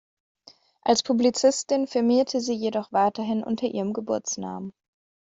Als Publizistin firmierte sie jedoch weiterhin unter ihrem Geburtsnamen.